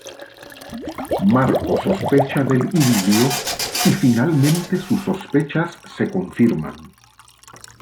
Marco sospecha del idilio y finalmente sus sospechas se confirman.